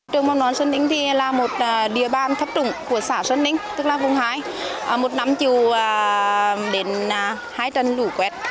trường mầm non sơn ninh là một địa bàn thấp trụng của xã sơn ninh tức là vùng hai một năm chiều đến hai trần lũ quẹt